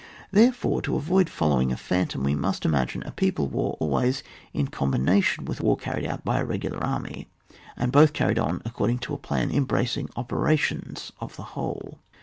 Therefore, to avoid following a phantom, we must imagine a people war always in combi nation, with a war carried on by a regular army, and both carried on according to a plan embracing the operations of the whole.